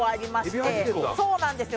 そうなんですよ。